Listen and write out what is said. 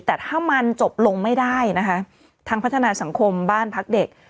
แต่ถ้ามันจบลงไม่ได้นะคะทั้งพัฒนาสังคมบ้านพักเด็ก